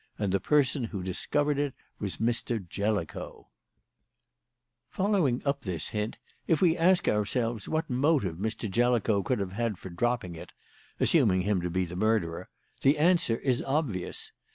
And the person who discovered it was Mr. Jellicoe. "Following up this hint, if we ask ourselves what motive Mr. Jellicoe could have had for dropping it assuming him to be the murderer the answer is obvious.